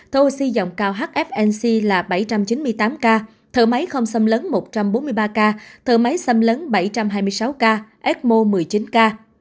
thở oxy dòng cao hfnc là bảy trăm chín mươi tám ca thở máy không xâm lấn một trăm bốn mươi ba ca thở máy xâm lấn bảy trăm hai mươi sáu ca ecmo một mươi chín ca